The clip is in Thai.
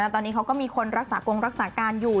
ตอนนี้เขาก็มีคนรักษากงรักษาการอยู่